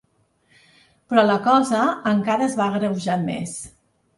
Però la cosa encara es va agreujar més.